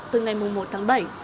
từ ngày một tháng bảy